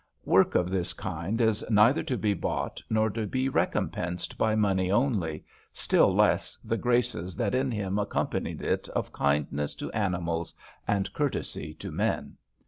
Work of this kind is neither to be bought, nor to be recompensed by money only, still less the graces that in him accompanied it of kindness to animals and courtesy to men.